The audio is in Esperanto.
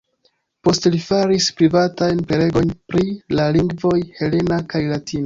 Post li faris privatajn prelegojn pri la lingvoj helena kaj latina.